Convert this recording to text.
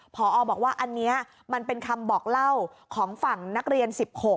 พอบอกว่าอันนี้มันเป็นคำบอกเล่าของฝั่งนักเรียน๑๖